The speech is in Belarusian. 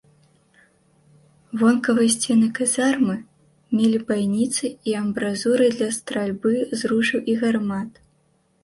Вонкавыя сцены казармы мелі байніцы і амбразуры для стральбы з ружжаў і гармат.